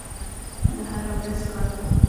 زه هره ورځ کار کوم.